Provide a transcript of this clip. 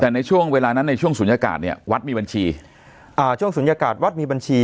แต่ในช่วงเวลานั้นในช่วงศูนยากาศเนี่ยวัดมีบัญชี